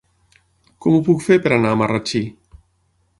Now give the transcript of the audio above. Com ho puc fer per anar a Marratxí?